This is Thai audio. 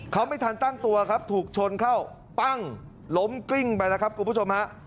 เขาไม่ทันตั้งตัวครับถูกชนเข้าปั้งล้มกลิ้งไปแล้วครับคุณผู้ชมฮะ